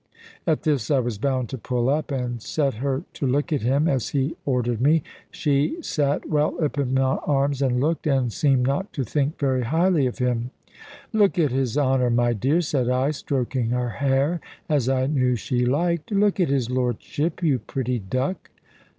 At this I was bound to pull up, and set her to look at him, as he ordered me. She sate well up in my arms, and looked, and seemed not to think very highly of him. "Look at his Honour, my dear," said I, stroking her hair as I knew she liked; "look at his lordship, you pretty duck."